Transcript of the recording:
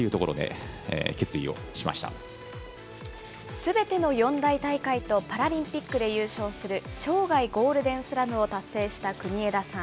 すべての四大大会とパラリンピックで優勝する生涯ゴールデンスラムを達成した国枝さん。